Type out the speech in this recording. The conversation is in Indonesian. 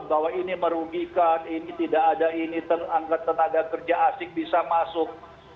bahwa ini merugikan ini tidak ada ini tenaga kerja asing bisa masuk